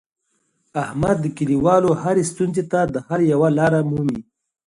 احمد د کلیوالو هرې ستونزې ته د حل یوه لاره مومي.